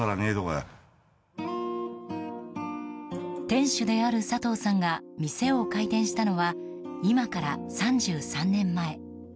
店主である佐藤さんが店を開店したのは今から３３年前。